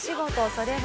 それは。